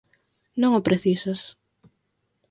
Non o precisas.